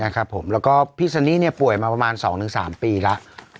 แล้วละครับผมแล้วก็พี่สะนี้เนี่ยป่วยมาประมาณ๒๓ปีละ